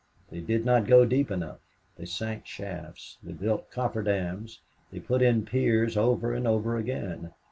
They did not go deep enough. They sank shafts, they built coffer dams, they put in piers over and over again.